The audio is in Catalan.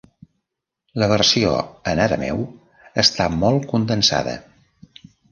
La versió en arameu està molt condensada.